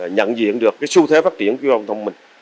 nhận diện được cái xu thế phát triển của công nghệ thông minh